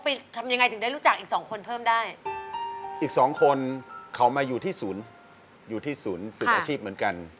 อีกสองคนเขามาอยู่ที่ศูนย์ศูนย์ศึกอาชีพเหมือนกัน